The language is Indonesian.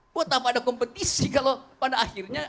buat apa ada kompetisi kalau pada akhirnya